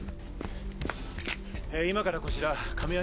今からこちら亀やん